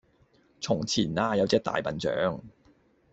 從前呀有隻大笨象